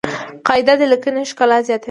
قاعده د لیکني ښکلا زیاتوي.